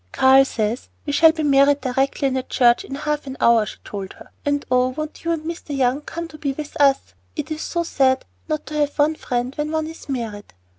"Karl says we shall be married directly, in a church, in half an hour," she told her. "And oh, won't you and Mr. Young come to be with us? It is so sad not to have one friend when one is married."